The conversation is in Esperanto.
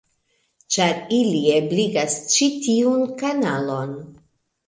Ĉar ili ebligas ĉi tiun kanalon.